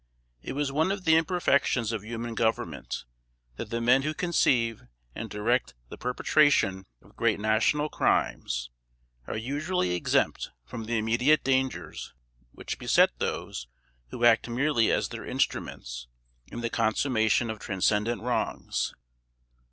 It is one of the imperfections of human government, that the men who conceive and direct the perpetration of great national crimes are usually exempt from the immediate dangers which beset those who act merely as their instruments in the consummation of transcendent wrongs.